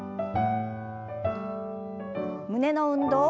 胸の運動。